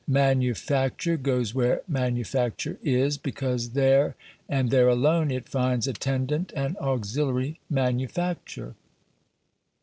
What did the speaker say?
Manufacture goes where manufacture is, because there and there alone it finds attendant and auxiliary manufacture.